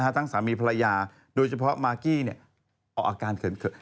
ทั้งสามีภรรยาโดยเฉพาะมากกี้ออกอาการเขิน